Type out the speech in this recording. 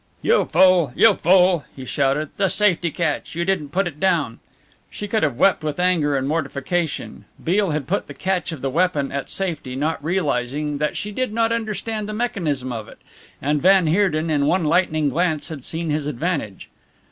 "You fool! You fool!" he shouted, "the safety catch! You didn't put it down!" She could have wept with anger and mortification. Beale had put the catch of the weapon at safety, not realizing that she did not understand the mechanism of it, and van Heerden in one lightning glance had seen his advantage.